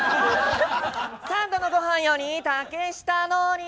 三度の御飯より竹下通り。